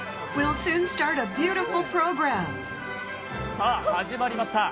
さあ、始まりました。